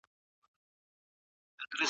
ناوخته خوراک د وینې فشار زیاتوي.